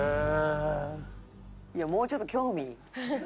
「いやもうちょっと興味」